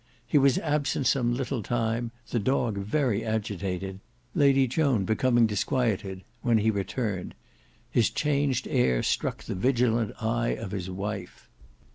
He was absent some little time, the dog very agitated; Lady Joan becoming disquieted, when he returned. His changed air struck the vigilant eye of his wife.